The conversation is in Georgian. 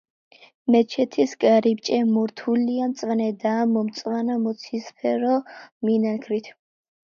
მეჩეთის კარიბჭე მორთულია მწვანე და მომწვანო-მოცისფრო მინანქრით.